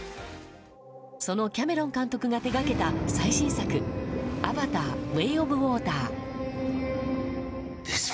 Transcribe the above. そのキャメロン監督が手掛けた最新作「アバター：ウェイ・オブ・ウォーター」。